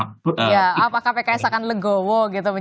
apakah pks akan legowo gitu